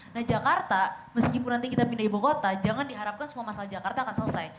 nah jakarta meskipun nanti kita pindah ibu kota jangan diharapkan semua masalah jakarta akan selesai